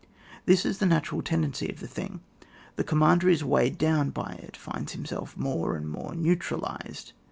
This is the natural tendency of the thing. The. commander is weighed down by it, finds himself more and more neu tralised.